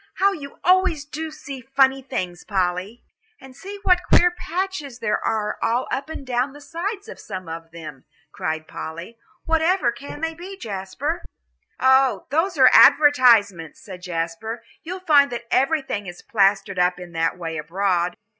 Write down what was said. "How you always do see funny things, Polly." "And see what queer patches there are all up and down the sides of some of them," cried Polly. "Whatever can they be, Jasper?" "Oh, those are the advertisements," said Jasper. "You'll find that everything is plastered up in that way abroad."